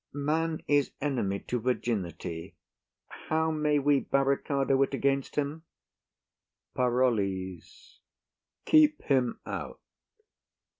Man is enemy to virginity; how may we barricado it against him? PAROLLES. Keep him out.